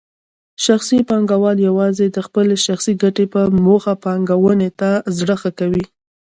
شخصي پانګوال یوازې د خپلې شخصي ګټې په موخه پانګونې ته زړه ښه کوي.